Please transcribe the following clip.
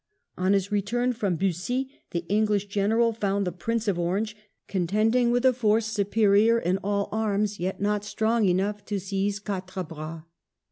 On his return from Bussy the English General found the Prince of Orange contending with a force superior in all arms yet not strong enough to seize Quatre Bras.